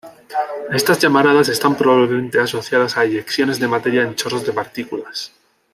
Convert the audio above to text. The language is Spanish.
Estas llamaradas están probablemente asociadas a eyecciones de materia en chorros de partículas.